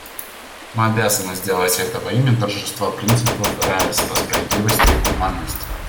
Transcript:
Мы обязаны сделать это во имя торжества принципов равенства, справедливости и гуманности.